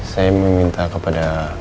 saya meminta kepada